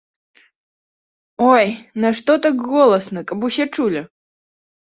Ой, нашто так голасна, каб усе чулі.